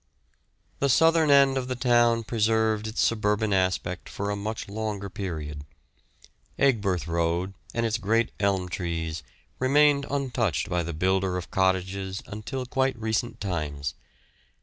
The southern end of the town preserved its suburban aspect for a much longer period. Aigburth Road and its great elm trees remained untouched by the builder of cottages until quite recent times.